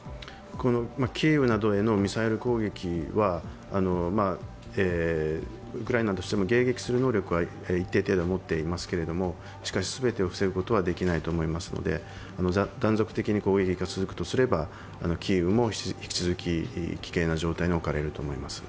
キーウなどへのミサイル攻撃はウクライナの人の迎撃する能力は一定程度持っていますけれどもしかし全てを防ぐことはできないと思いますので断続的に攻撃が続くとすればキーウも引き続き危険な状態に置かれると思います。